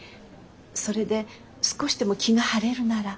それで少しでも気が晴れるなら。